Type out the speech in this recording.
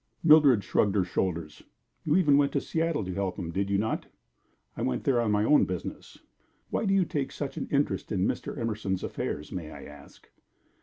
Mildred shrugged her shoulders. "You even went to Seattle to help him, did you not?" "I went there on my own business." "Why do you take such an interest in Mr. Emerson's affairs, may I ask?"